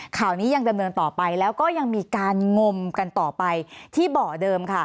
ข่าวนี้ยังดำเนินต่อไปแล้วก็ยังมีการงมกันต่อไปที่เบาะเดิมค่ะ